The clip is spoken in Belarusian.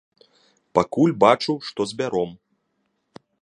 Пакуль бачу, што збяром.